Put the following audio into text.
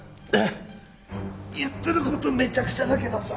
言ってる事めちゃくちゃだけどさ。